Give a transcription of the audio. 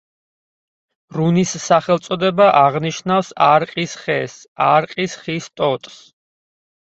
რუნის სახელწოდება აღნიშნავს „არყის ხეს“, „არყის ხის ტოტს“.